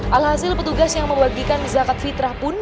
alhasil petugas yang membagikan zakat fitrah pun